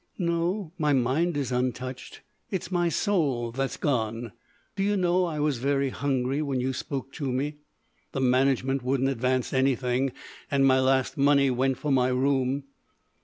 "No, my mind is untouched. It's my soul that's gone.... Do you know I was very hungry when you spoke to me? The management wouldn't advance anything, and my last money went for my room....